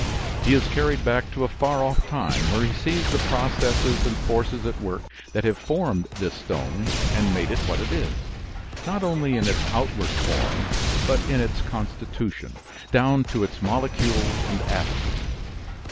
He is carried back to a far off time, where he sees the processes and forces at work that have formed this stone and made it what it is, not only in its outward form, but in its constitution, down to its molecules and atoms.